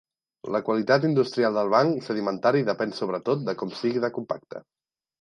La qualitat industrial del banc sedimentari depèn sobretot de com sigui de compacte.